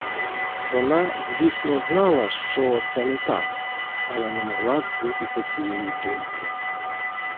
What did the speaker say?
Вона, звісно, знала, що це не так, але не могла збутися тієї думки.